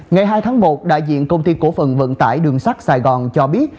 ngày hai tháng một đại diện công ty cổ phần vận tải đường sắt sài gòn cho biết